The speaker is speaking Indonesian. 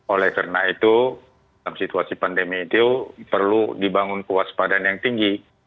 oleh karena itu dalam situasi pandemi itu perlu dibangun kewaspadaan yang tinggi